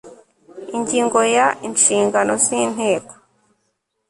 ingingo ya inshingano z inteko